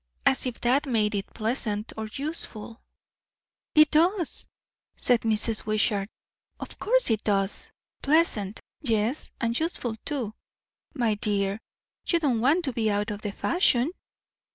As if that made it pleasant, or useful." "It does!" said Mrs. Wishart. "Of course it does. Pleasant, yes, and useful too. My dear, you don't want to be out of the fashion?"